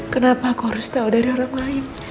kenapa aku harus tahu dari orang lain